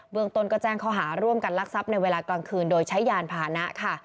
เมืองต้นก็แจ้งข้อหาร่วมกันลักทรัพย์ในเวลากลางคืนโดยใช้ยานพานะค่ะ